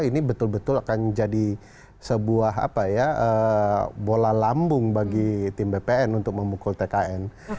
ini betul betul akan jadi sebuah bola lambung bagi tim bpn untuk memukul tkn